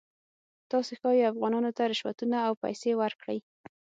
تاسې ښایي افغانانو ته رشوتونه او پیسې ورکړئ.